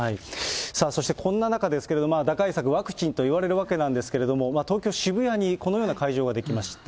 そしてこんな中ですけれども、打開策、ワクチンといわれるわけですけれども、東京・渋谷にこのような会場が出来ました。